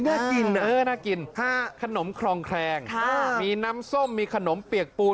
น่ากินเออน่ากินขนมครองแคลงมีน้ำส้มมีขนมเปียกปูน